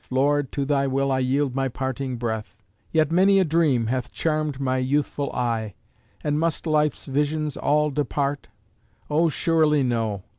Lord, to thy will I yield my parting breath, Yet many a dream hath charmed my youthful eye; And must life's visions all depart? Oh, surely no!